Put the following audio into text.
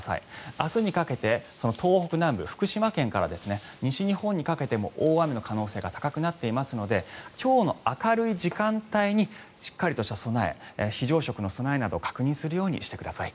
明日にかけて東北南部、福島県から西日本にかけて大雨の可能性が高くなっていますので今日の明るい時間帯にしっかりとした備え非常食の備えなど確認するようにしてください。